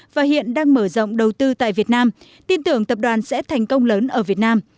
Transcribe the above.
và hiện đang mở rộng đầu tư tại việt nam tin tưởng tập đoàn sẽ thành công lớn ở việt nam